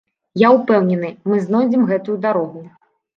Я ўпэўнены, мы знойдзем гэтую дарогу.